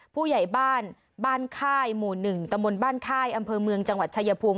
ผู้ใหญ่บ้านบ้านค่ายหมู่๑ตะมนต์บ้านค่ายอำเภอเมืองจังหวัดชายภูมิ